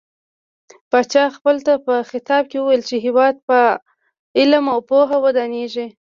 پاچا خلکو ته په خطاب کې وويل چې هيواد په علم او پوهه ودانيږي .